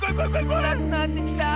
くらくなってきた！